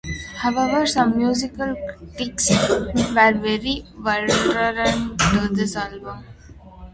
However, some musical critics were very virulent to this album.